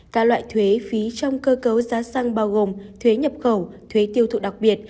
các loại thuế phí trong cơ cấu giá xăng bao gồm thuế nhập khẩu thuế tiêu thụ đặc biệt